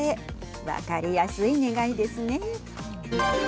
分かりやすい願いですね。